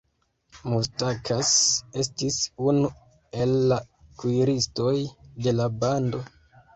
Mustakas estis unu el la kuiristoj de la bando.